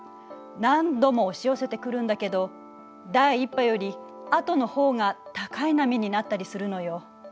何度も押し寄せてくるんだけど第１波より後の方が高い波になったりするのよ。